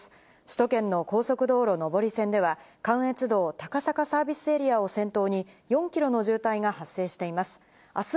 首都圏の高速道路上り線では、関越道高坂サービスエリアを先頭に、４キロの渋滞が発生しています。